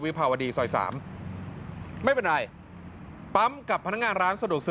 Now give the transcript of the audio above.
ภาวดีซอย๓ไม่เป็นไรปั๊มกับพนักงานร้านสะดวกซื้อ